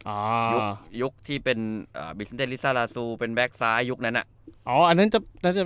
อ่ายุคที่เป็นอ่าเป็นแบ็คซ้ายยุคนั้นอ่ะอ๋ออันนั้นจะน่าจะ